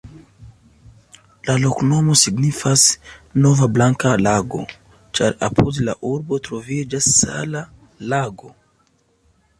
La loknomo signifas: nova-blanka-lago, ĉar apud la urbo troviĝas sala lago.